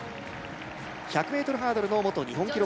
１００ｍハードルの元日本記録